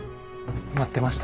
待ってました。